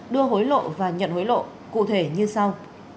đưa hối lộ và nhận hối lộ cụ thể như sau